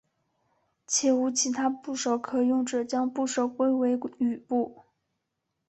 且无其他部首可用者将部首归为羽部。